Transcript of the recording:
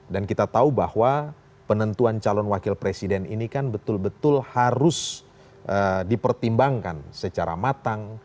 dan kita tahu bahwa penentuan calon wakil presiden ini kan betul betul harus dipertimbangkan secara matang